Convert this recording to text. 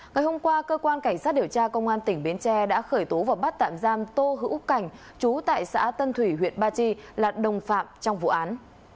ngày hôm qua cơ quan cảnh sát điều tra công an tỉnh bến tre đã khởi tố và bắt tạm giam tô hữu cảnh chú tại xã tân thủy huyện ba chi là đồng phạm trong vụ án